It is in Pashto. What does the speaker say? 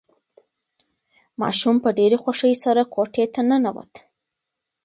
ماشوم په ډېرې خوښۍ سره کوټې ته ننوت.